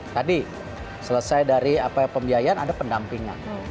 tadi selesai dari apa ya pembiayaan ada pendampingan